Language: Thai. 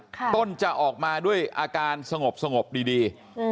ต้นจะออกมาด้วยอาการสงบดี